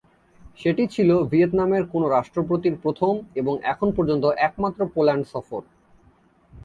সেটি ছিল ভিয়েতনামের কোন রাষ্ট্রপতির প্রথম এবং এখন পর্যন্ত একমাত্র পোল্যান্ড সফর।